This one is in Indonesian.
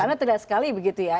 karena tidak sekali begitu ya